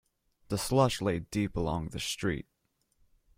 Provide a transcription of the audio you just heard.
The slush lay deep along the street.